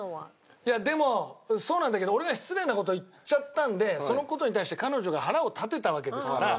いやでもそうなんだけど俺が失礼な事言っちゃったんでその事に対して彼女が腹を立てたわけですから。